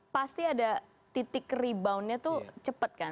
pasti ada titik reboundnya tuh cepet kan